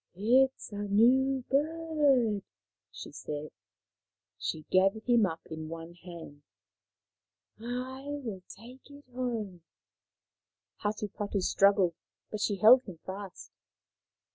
" It is a new bird," she said. She gathered him up in one hand. " I will take it home." Hatupatu 115 Hatupatu struggled, but she held him fast.